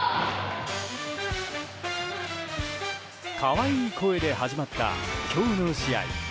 可愛い声で始まった今日の試合。